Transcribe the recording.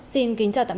nhiệt độ ngày đêm